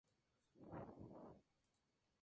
Su padre actual no es el verdadero.